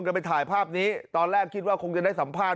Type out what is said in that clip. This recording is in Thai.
กันไปถ่ายภาพนี้ตอนแรกคิดว่าคงจะได้สัมภาษณ